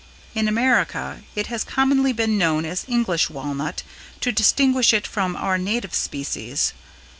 In America it has commonly been known as English Walnut to distinguish it from our native species.